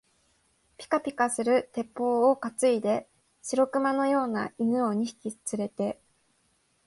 ぴかぴかする鉄砲をかついで、白熊のような犬を二匹つれて、